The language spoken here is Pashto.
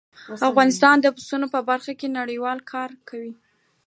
افغانستان د پسونو په برخه کې نړیوال کار کوي.